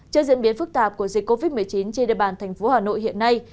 trước diễn biến phức tạp của dịch covid một mươi chín trên địa bàn thành phố hà nội hiện nay